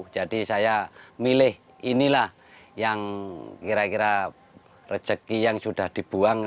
saya milih inilah yang kira kira rezeki yang sudah dibuang